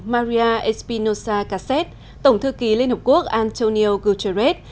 maria espinosa cacet tổng thư ký liên hiệp quốc antonio guterres